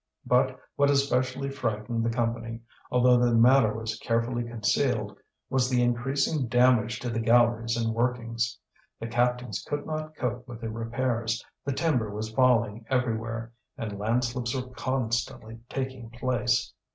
But what especially frightened the Company, although the matter was carefully concealed, was the increasing damage to the galleries and workings. The captains could not cope with the repairs, the timber was falling everywhere, and landslips were constantly taking place.